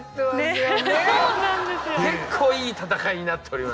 結構いい戦いになっておりまして。